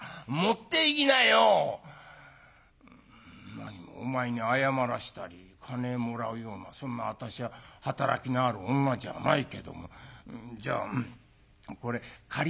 「なにもお前に謝らしたり金もらうようなそんな私は働きのある女じゃないけどもじゃこれ借りとくから」。